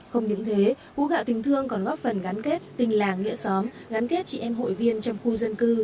không những thế hú gạo tình thương còn góp phần gắn kết tình làng nghĩa xóm gắn kết chị em hội viên trong khu dân cư